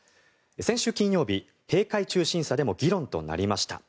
先週金曜日、閉会中審査でも議論となりました。